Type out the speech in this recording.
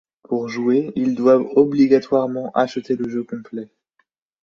Pour jouer, ils doivent obligatoirement acheter le jeu complet.